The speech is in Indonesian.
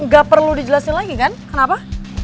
nggak perlu dijelasin lagi kan kenapa